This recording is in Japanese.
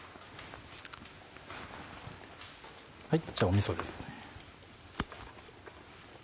みそですね。